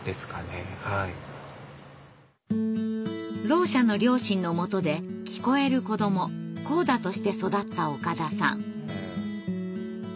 ろう者の両親のもとで聞こえる子ども「ＣＯＤＡ」として育った岡田さん。